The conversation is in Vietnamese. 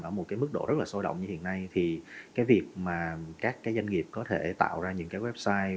ở một mức độ rất sôi động như hiện nay việc các doanh nghiệp có thể tạo ra những website